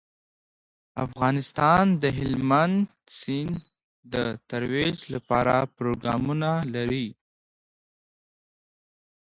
افغانستان د هلمند سیند د ترویج لپاره پروګرامونه لري.